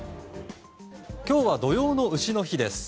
今日は土用の丑の日です。